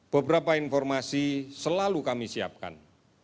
beberapa informasi selalu kami siapkan